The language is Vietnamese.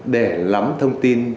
để lắm thông tin